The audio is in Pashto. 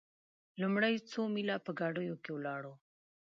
لومړي څو میله په ګاډیو کې ولاړو.